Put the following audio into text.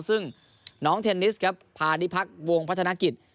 ซึ่งน้องเทนนิสครับพานิพักษ์วงพัฒนากิจ